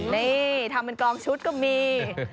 นี่ทำเป็นกองชุดก็มี